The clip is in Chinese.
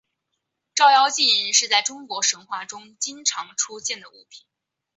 照妖镜是在中国神话中经常出现的物品。